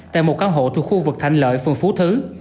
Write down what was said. tại một căn hộ thuộc khu vực thạnh lợi phường phú thứ